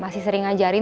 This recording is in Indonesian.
masih sering ngajarin